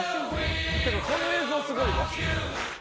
この映像すごいわ。